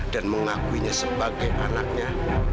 dan mengakuinya sebagai anaknya